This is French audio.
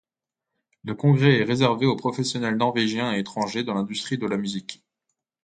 Le congrès est réservé aux professionnels norvégiens et étrangers de l'industrie de la musique.